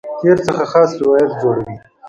تېر څخه خاص روایت جوړوي.